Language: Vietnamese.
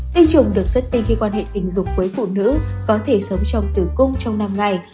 tinh trùng được xuất y khi quan hệ tình dục với phụ nữ có thể sống trong tử cung trong năm ngày